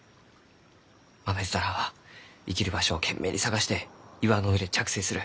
マメヅタランは生きる場所を懸命に探して岩の上に着生する。